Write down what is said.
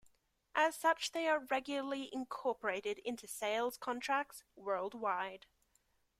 As such they are regularly incorporated into sales contracts worldwide.